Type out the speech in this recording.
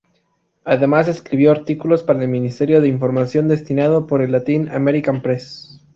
Además escribió artículos para el Ministerio de Información destinado por el Latin-American Press.